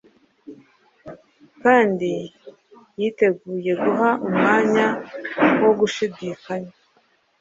kandi yiteguye guha umwanya wo gushidikanya.